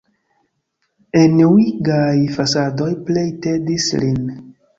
Enuigaj fasadoj plej tedis lin.